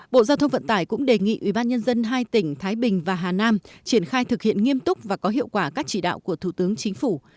bộ giao thông vận tải cũng đề nghị ubnd hai tỉnh thái bình và hà nam triển khai thực hiện nghiêm túc và có hiệu quả các chỉ đạo của thủ tướng chính phủ